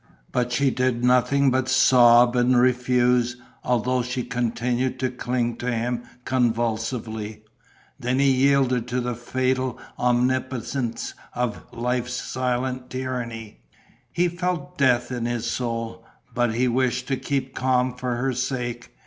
But she did nothing but sob and refuse, although she continued to cling to him convulsively. Then he yielded to the fatal omnipotence of life's silent tyranny. He felt death in his soul. But he wished to keep calm for her sake.